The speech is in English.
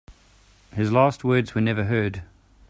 His last words were never heard.